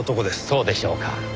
そうでしょうか？